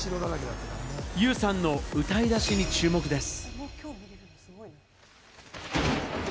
ユウさんの歌い出しに注目です。